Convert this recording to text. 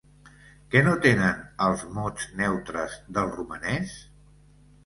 Què no tenen els mots neutres del romanès?